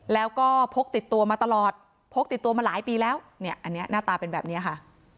แล้วก็พกติดตัวมาตลอดพกติดตัวมาหลายปีแล้วเนี่ยอันนี้หน้าตาเป็นแบบนี้ค่ะ